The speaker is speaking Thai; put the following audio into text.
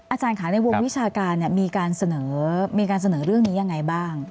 อาจารย์ขาในวงวิชาการมีการเสนอเรื่องนี้อย่างไรบ้าง